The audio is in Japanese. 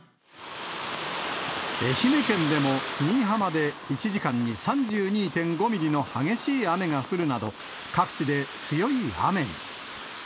愛媛県でも新居浜で１時間に３２．５ミリの激しい雨が降るなど、各地で強い雨に。